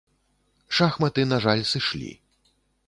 Шахматы, на жаль, сышлі.